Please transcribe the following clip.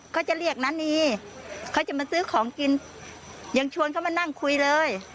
เขาจะเรียกนานีเขาจะมาซื้อของกินยังชวนเขามานั่งคุยเลย